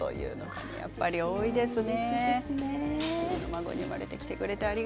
やっぱり多いですね。